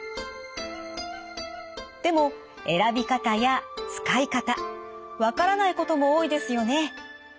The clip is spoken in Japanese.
でも選び方や使い方分からないことも多いですよね。